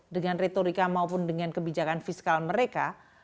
dengan retorika maupun dengan kebijakan fiskal mereka